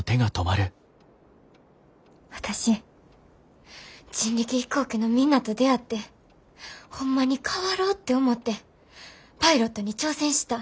私人力飛行機のみんなと出会ってホンマに変わろうって思ってパイロットに挑戦した。